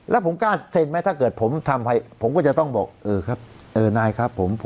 แล้วผมกล้าเซ็นไหมถ้าเกิดผมทำไปผมก็จะต้องบอกเออครับเออนายครับ